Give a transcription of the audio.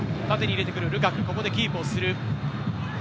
縦に入れてくるルカク、ここでキープをする。